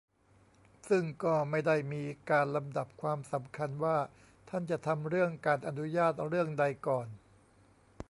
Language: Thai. ซึ่งก็ไม่ได้มีการลำดับความสำคัญ ว่าท่านจะทำเรื่องการอนุญาตเรื่องใดก่อน